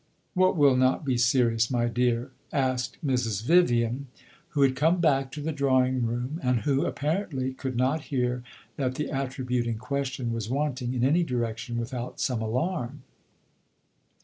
"What will not be serious, my dear?" asked Mrs. Vivian, who had come back to the drawing room, and who, apparently, could not hear that the attribute in question was wanting in any direction, without some alarm.